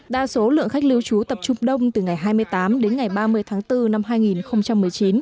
đa số lượng khách lưu trú tập trung đông từ ngày hai mươi tám đến ngày ba mươi tháng bốn năm hai nghìn một mươi chín